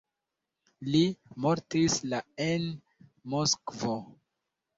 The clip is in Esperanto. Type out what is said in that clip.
Li mortis la en Moskvo.